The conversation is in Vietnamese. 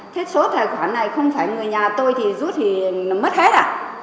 thế số tài khoản này không phải người nhà tôi thì rút thì mất hết ạ